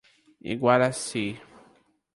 Iguaracy